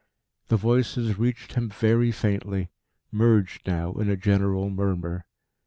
The voices reached him very faintly, merged now in a general murmur.